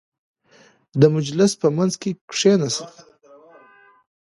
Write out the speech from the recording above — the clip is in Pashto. • د مجلس په منځ کې کښېنه.